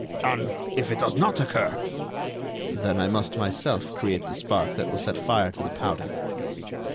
"And if it does not occur?" "Then I must, myself, create the spark that will set fire to the powder."